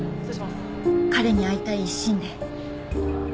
彼に会いたい一心で。